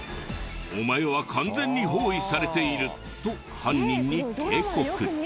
「お前は完全に包囲されている」と犯人に警告。